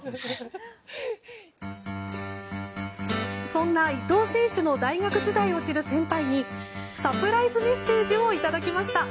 そんな伊東選手の大学時代を知る先輩にサプライズメッセージをいただきました。